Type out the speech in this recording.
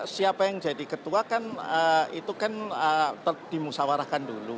siapa yang jadi ketua kan itu kan dimusawarahkan dulu